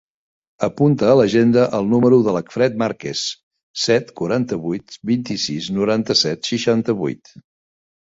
Apunta a l'agenda el número de l'Acfred Marquez: set, quaranta-vuit, vint-i-sis, noranta-set, seixanta-vuit.